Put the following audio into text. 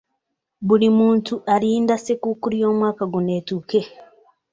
Buli muntu alinda ssekukkulu y'omwaka guno etuuke.